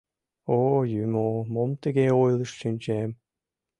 Ой, юмо, мом тыге ойлышт шинчем?